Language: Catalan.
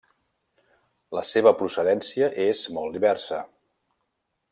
La seva procedència és molt diversa.